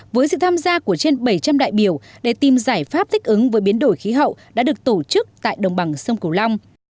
với sự tham gia của trên bảy trăm linh đại biểu để tìm giải pháp thích ứng với biến đổi khí hậu đã được tổ chức tại đồng bằng sông cửu long